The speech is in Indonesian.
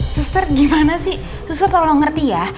suster gimana sih suster tolong ngerti ya